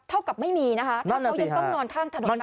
เท่ากับไม่มีนะฮะถ้าเขายังต้องนอนทางถนนแบบนี้